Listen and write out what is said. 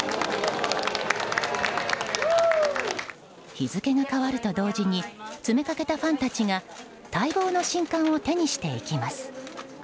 日付が変わると同時に詰めかけたファンたちが待望の新刊を手にしていきます。